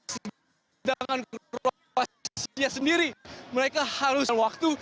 sedangkan kruasia sendiri mereka harus mencari waktu